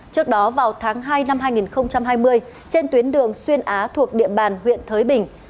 trước đó vào tháng hai năm hai nghìn hai mươi trên tuyến đường xuyên á thuộc địa bàn huyện thới bình